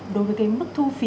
đối với mức thu phí